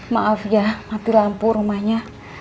maaf ya mati lampu rumahnya